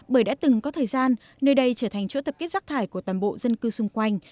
bởi đã từng có thời gian nơi đây trở thành chỗ tập kết rác thải của toàn bộ dân cư xung quanh